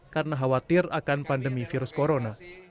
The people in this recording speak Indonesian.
karena khawatir akan pandemi virus corona